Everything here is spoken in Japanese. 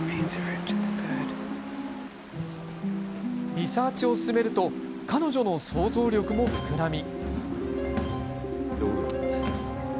リサーチを進めると彼女の想像力も膨らみ。